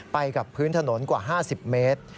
ไปกับพื้นถนนกว่า๕๐เมตร